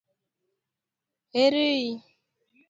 Ere i?